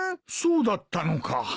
そうだったのか。